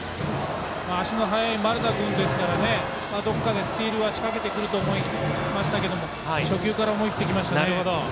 足の速い、丸田君ですからどこかでスチールは仕掛けてくると思いましたけど初球から思い切っていきましたね。